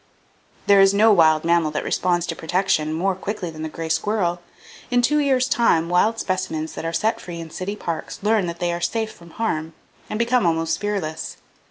There is no wild mammal that responds to protection more quickly than the gray squirrel. In two years' time, wild specimens that are set free in city parks learn that they are safe from harm and become almost fearless.